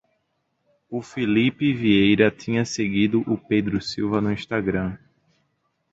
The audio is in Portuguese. O Filipe Vieira tinha seguido o Pedro Silva no Instagram